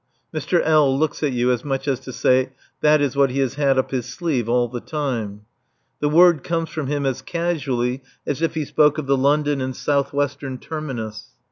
Mr. L. looks at you as much as to say that is what he has had up his sleeve all the time. The word comes from him as casually as if he spoke of the London and South Western terminus.